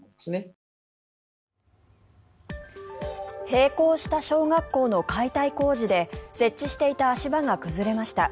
閉校した小学校の解体工事で設置していた足場が崩れました。